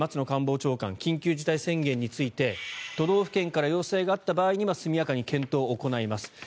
官房長官緊急事態宣言について都道府県から要請があった場合には速やかに検討を行います。